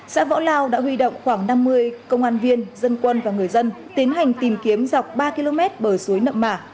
xã võ lao đã huy động khoảng năm mươi công an viên dân quân và người dân tiến hành tìm kiếm dọc ba km bờ suối nậm mả